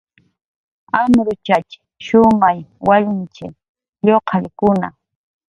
Amruchatx shumay wallmichi, lluqallkuna